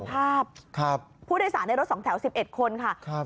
สภาพครับผู้โดยสารในรถสองแถวสิบเอ็ดคนค่ะครับ